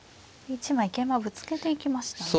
１枚桂馬をぶつけていきましたね。